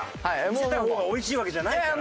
見せた方がおいしいわけじゃないから！